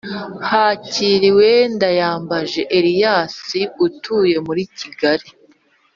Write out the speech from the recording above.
Hakiriwe Ndayambaje Elias utuye muri Kigali